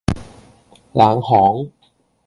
冷巷